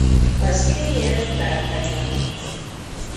Az Éljen D’Artagnan!